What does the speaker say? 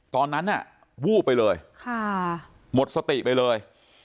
ตอนนั้นวูบไปเลยหมดสติไปเลย